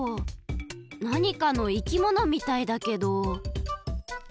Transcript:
なにかのいきものみたいだけど。